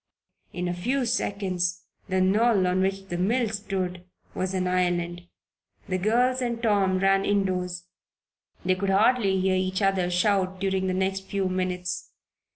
In a few seconds the knoll on which the mill stood was an island! The girls and Tom ran indoors. They could hardly hear each other shout during the next few minutes.